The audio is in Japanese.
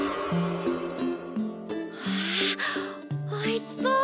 うわおいしそう！